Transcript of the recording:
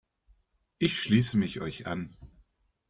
Ich schließe mich euch an.